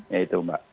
ya itu mbak